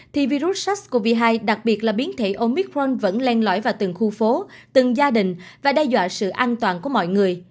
thì virus sars cov hai đặc biệt là biến thể omicron vẫn len lõi vào từng khu phố từng gia đình và đe dọa sự an toàn của mọi người